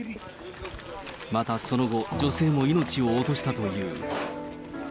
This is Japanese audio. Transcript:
またその後、女性も命を落としたという。